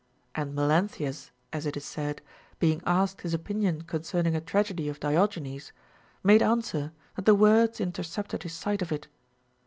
And Melanthius, as it is said, being asked his opinion concern ing a tragedy of Diogenes, made answer that the words intercepted his sight of it.